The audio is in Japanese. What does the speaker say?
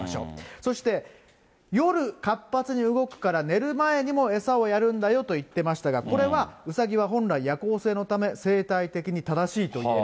そして夜、活発に動くから寝る前にも餌をやるんだよと言ってましたが、これは、うさぎは本来、夜行性のため生態的に正しいといえる。